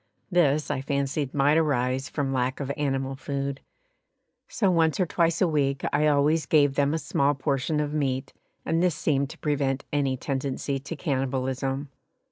This I fancied might arise from lack of animal food, so once or twice a week I always gave them a small portion of meat and this seemed to prevent any tendency to cannibalism.